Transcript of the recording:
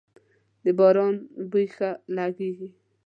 د باران بوی ښه لږیږی